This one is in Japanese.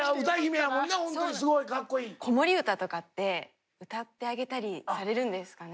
子守唄とかって歌ってあげたりされるんですかね。